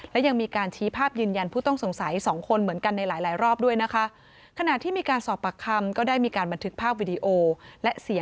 และยังมีการชี้ภาพยืนยันผู้ต้องสงสัยสองคนเหมือนกันในหลายรอบด้วยนะคะ